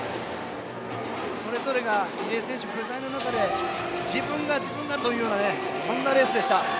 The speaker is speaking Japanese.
それぞれが入江選手が不在の中で自分が自分がというそんなレースでした。